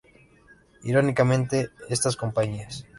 Irónicamente, estas compañías